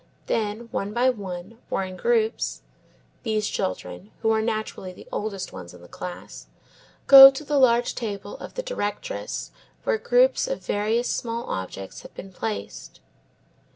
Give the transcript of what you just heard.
Then, one by one, or in groups, these children (who are naturally the oldest ones in the class) go to the large table of the directress where groups of various small objects have been placed.